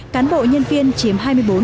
cán bộ nhân viên chiếm hai mươi bốn bốn